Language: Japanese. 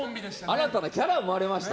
新たなキャラが生まれました。